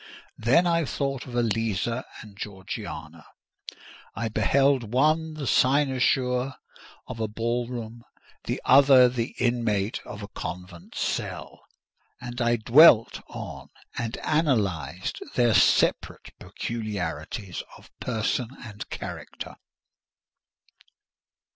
Then I thought of Eliza and Georgiana; I beheld one the cynosure of a ball room, the other the inmate of a convent cell; and I dwelt on and analysed their separate peculiarities of person and character.